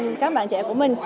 cho các bạn trẻ của mình